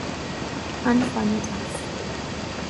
An fáinne deas